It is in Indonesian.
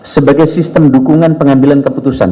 sebagai sistem dukungan pengambilan keputusan